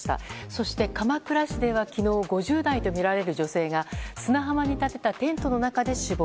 そして、鎌倉市では昨日５０代とみられる女性が砂浜に立てたテントの中で死亡。